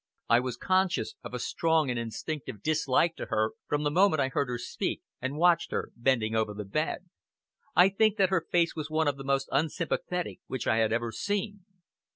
I was conscious of a strong and instinctive dislike to her from the moment I heard her speak and watched her bending over the bed. I think that her face was one of the most unsympathetic which I had ever seen.